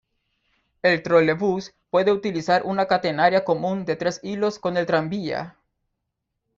El trolebús puede utilizar una catenaria común de tres hilos con el tranvía.